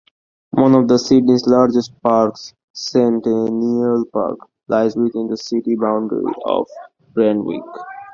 One of Sydney's largest parks, Centennial Park, lies within the city boundary of Randwick.